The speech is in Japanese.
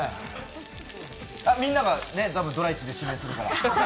みんながたぶん、ドラ一で指名するから。